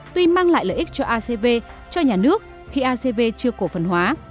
tuy mang lại lợi ích cho acv cho nhà nước khi acv chưa cổ phần hóa